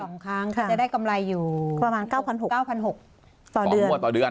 จะได้กำไรอยู่๙๖๐๐ต่อเดือน